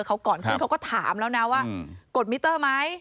เขาก่อนขึ้นเขาก็ถามแล้วนะว่ากดมิเตอร์ไหม